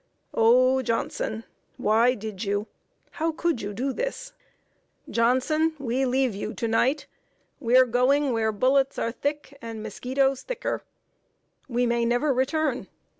Oh, Johnson! why did you how could you do this? "Johnson, we leave you to night. We're going where bullets are thick and mosquitos thicker. We may never return.